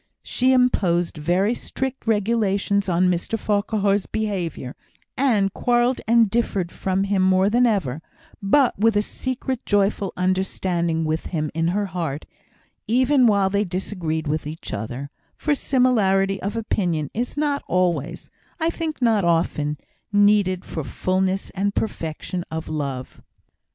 She imposed very strict regulations on Mr Farquhar's behaviour; and quarrelled and differed from him more than ever, but with a secret joyful understanding with him in her heart, even while they disagreed with each other for similarity of opinion is not always I think not often needed for fulness and perfection of love.